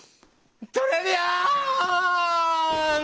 トレビアーン！